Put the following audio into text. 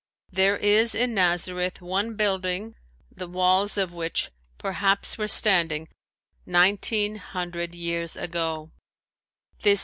There is in Nazareth one building the walls of which perhaps were standing nineteen hundred years ago.